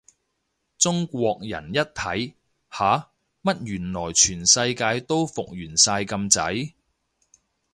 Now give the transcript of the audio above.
中國人一睇，吓？乜原來全世界都復原晒咁滯？